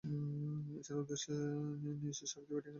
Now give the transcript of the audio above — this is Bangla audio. এছাড়াও, বেশ নিচেরসারিতে ব্যাটিংয়ে নামতেন।